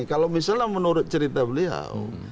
kalau misalnya menurut cerita beliau